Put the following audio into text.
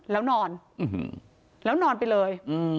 แล้วนอนแล้วนอนไปเลย